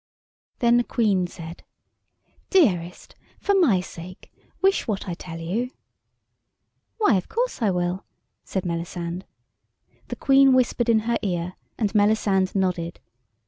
Then the Queen said: "Dearest, for my sake, wish what I tell you." "Why, of course I will," said Melisande. The Queen whispered in her ear, and Melisande nodded.